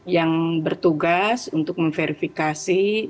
yang bertugas untuk memverifikasi